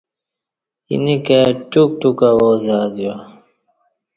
اینہ کائ ٹوک ٹوک آواز ازیا